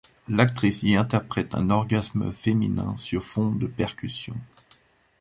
L'actrice y interprète un orgasme féminin sur fond de percussions.